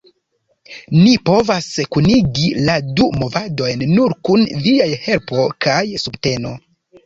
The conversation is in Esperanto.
Ni povas kunigi la du movadojn nur kun viaj helpo kaj subteno.